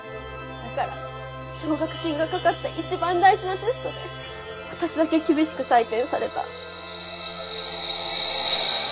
だから奨学金がかかった一番大事なテストで私だけ厳しく採点された。